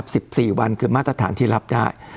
สิบสี่วันคือมาตรฐานที่รับได้